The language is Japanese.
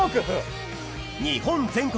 日本全国